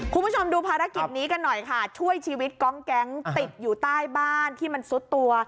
คุณผู้ชมดูภารกิจนี้กันหน่อยค่ะช่วยชีวิตกองแก๊งติดอยู่ใต้บ้านที่มันซุดตัว